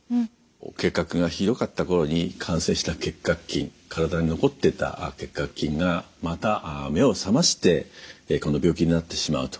結核がひどかった頃に感染した結核菌体に残っていた結核菌がまた目を覚ましてこの病気になってしまうと。